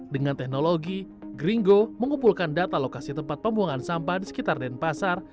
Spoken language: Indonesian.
dengan teknologi gringo mengumpulkan data lokasi tempat pembuangan sampah di sekitar denpasar